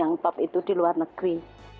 yang top itu di luar negeri